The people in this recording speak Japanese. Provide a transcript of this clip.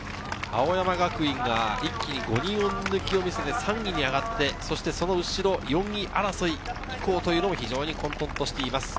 青山学院が一気に５人抜きを見せて、３位に上がって、その後ろ、４位争い以降も混沌としています。